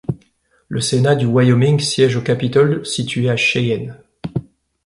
Le sénat du Wyoming siège au Capitole situé à Cheyenne.